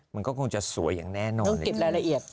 มันก็คงจะสวยอย่างแน่นอนเก็บรายละเอียด